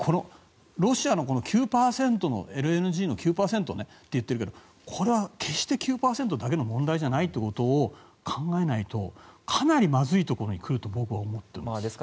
ロシアのＬＮＧ９％って言ってるけどこれは決して９％だけの問題じゃないってことを考えないとかなりまずいところに来ると僕は思っています。